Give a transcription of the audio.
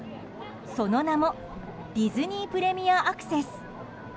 その名もディズニー・プレミアアクセス。